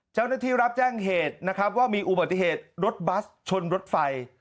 เจ้าหน้าที่รับแจ้งเหตุนะครับว่ามีอุบัติเหตุรถบัสชนรถไฟ